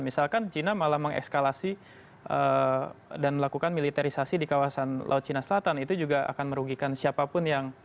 misalkan china malah mengekskalasi dan melakukan militerisasi di kawasan laut cina selatan itu juga akan merugikan siapapun yang